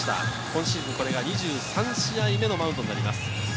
今シーズン２３試合目のマウンドになります。